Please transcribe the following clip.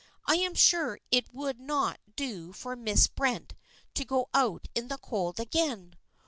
I am sure it would not do for Miss Brent to go out in the cold again."